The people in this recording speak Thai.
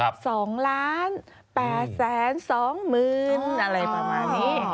๒๘๒๐๐๐อะไรประมาณนี้